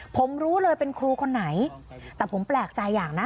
ผมรู้เลยเป็นครูคนไหนแต่ผมแปลกใจอย่างนะ